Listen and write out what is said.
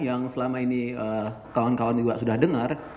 yang selama ini kawan kawan juga sudah dengar